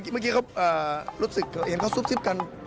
เมื่อกี้เขารู้สึกตัวเองเขาซุบซิบกัน